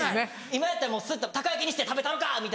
今やったらスッと「たこ焼きにして食べたろか！」。